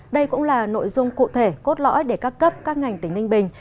đây cũng là nội dung cụ thể cốt lõi để các cấp các ngành tỉnh ninh bình